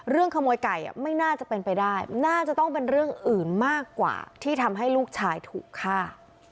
ขโมยไก่ไม่น่าจะเป็นไปได้น่าจะต้องเป็นเรื่องอื่นมากกว่าที่ทำให้ลูกชายถูกฆ่า